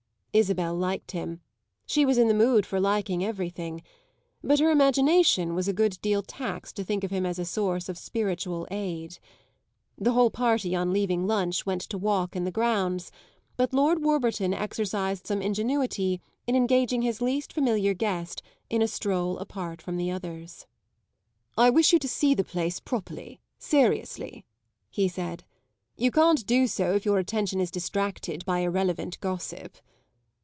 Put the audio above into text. Isabel liked him she was in the mood for liking everything; but her imagination was a good deal taxed to think of him as a source of spiritual aid. The whole party, on leaving lunch, went to walk in the grounds; but Lord Warburton exercised some ingenuity in engaging his least familiar guest in a stroll apart from the others. "I wish you to see the place properly, seriously," he said. "You can't do so if your attention is distracted by irrelevant gossip."